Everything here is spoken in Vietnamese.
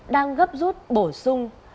đang gấp rút bổ sung